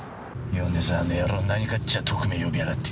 米沢の野郎何かっちゃ特命呼びやがって。